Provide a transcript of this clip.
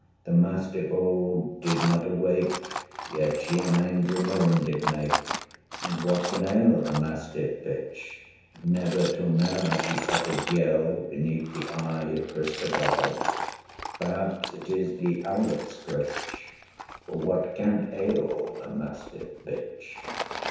The mastiff old did not awake, Yet she an angry moan did make! And what can ail the mastiff bitch? Never till now she uttered yell 150 Beneath the eye of Christabel. Perhaps it is the owlet's scritch: For what can ail the mastiff bitch?